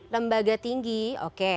lembaga tinggi oke